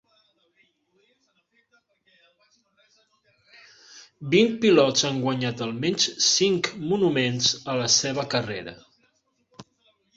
Vint pilots han guanyat al menys cinc monuments a la seva carrera.